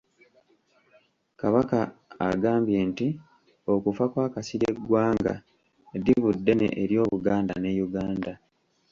Kabaka agambye nti okufa kwa Kasirye Ggwanga ddibu ddene eri Obuganda ne Uganda.